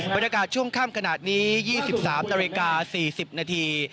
บริการช่วงข้ามขนาดนี้ยี่สิบสามนาฬิกาสี่สิบนาที